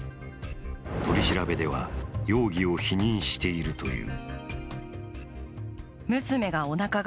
取り調べでは容疑を否認しているという。